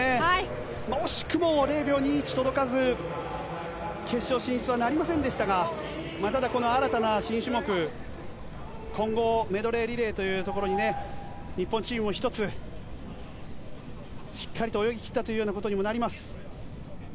惜しくも０秒２１届かず決勝進出はなりませんでしたがこの新たな新種目混合メドレーリレーに日本チームも１つしっかり泳ぎ切ったことにもなります。